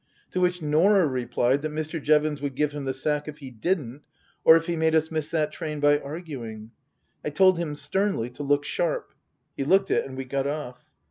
To which Norah replied that Mr. Jevons would give him the sack if he didn't, or if he made us miss that train by arguing. I told him sternly to look sharp. He looked it and we got off.